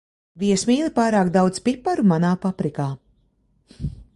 Viesmīli, pārāk daudz piparu manā paprikā.